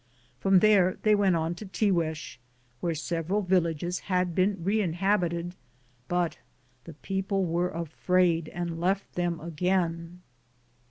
From there they went on to Tiguex where several villages had been reinhabited, but the people were afraid and left them again.